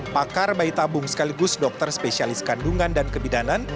pakar bayi tabung sekaligus dokter spesialis kandungan dan kebidanan